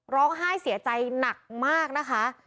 ร้องไห้เสียใจหนักมากนะคะ